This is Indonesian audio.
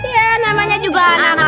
ya namanya juga anak anak